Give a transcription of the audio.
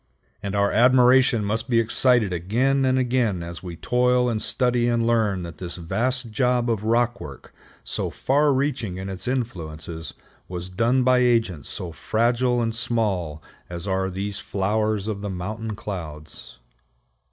And our admiration must be excited again and again as we toil and study and learn that this vast job of rockwork, so far reaching in its influences, was done by agents so fragile and small as are these flowers of the mountain clouds.